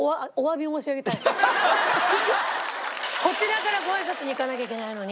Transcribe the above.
こちらからご挨拶に行かなきゃいけないのに。